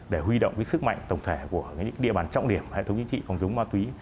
để huy động sức mạnh tổng thể của những địa bàn trọng điểm hệ thống chính trị phòng chống ma túy